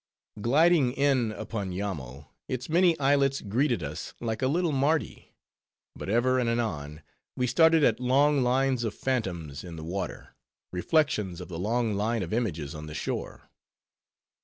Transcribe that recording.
Gliding in upon Yammo, its many islets greeted us like a little Mardi; but ever and anon we started at long lines of phantoms in the water, reflections of the long line of images on the shore.